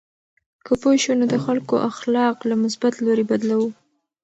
که پوه شو، نو د خلکو اخلاق له مثبت لوري بدلوو.